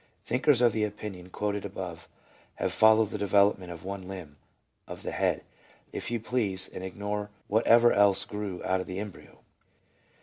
Thinkers of the opinion quoted above have followed the de velopment of one limb — of the head, if you please — and ignore whatever else grew out of the embryo.